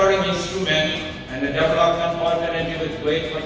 pembangunan perbankan syariah adalah alat yang memperoleh dan memperoleh keuntungan yang besar